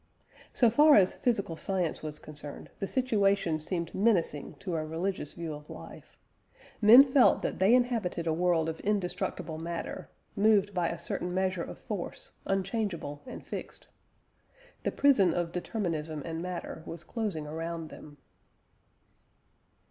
So far as physical science was concerned, the situation seemed menacing to a religious view of life. Men felt that they inhabited a world of indestructible matter, moved by a certain measure of force, unchangeable and fixed. The prison of determinism and matter was closing around them.